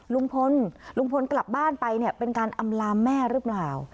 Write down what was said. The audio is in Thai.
ลุงพลกลับบ้านไปเป็นการอำลามแม่หรือเปล่า